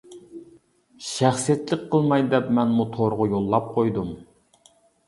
شەخسىيەتچىلىك قىلماي دەپ مەنمۇ تورغا يوللاپ قويدۇم.